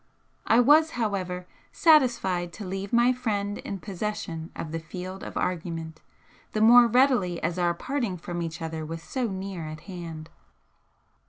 I was, however, satisfied to leave my friend in possession of the field of argument, the more readily as our parting from each other was so near at hand.